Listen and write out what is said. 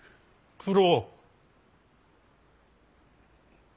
九郎。